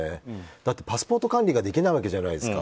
だってパスポート管理ができないわけじゃないですか